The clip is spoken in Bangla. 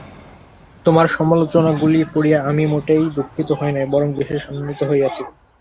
তোমার সমালোচনাগুলি পড়িয়া আমি মোটেই দুঃখিত হই নাই, বরং বিশেষ আনন্দিত হইয়াছি।